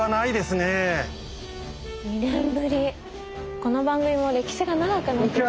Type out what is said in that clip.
この番組も歴史が長くなってきましたね。